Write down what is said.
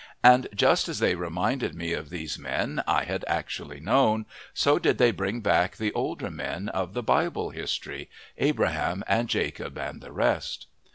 And just as they reminded me of these men I had actually known, so did they bring back the older men of the Bible history Abraham and Jacob and the rest.